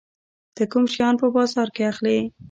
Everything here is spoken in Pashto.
ته کوم شیان په بازار کې اخلي؟